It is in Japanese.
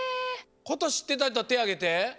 ことしってたひとてあげて！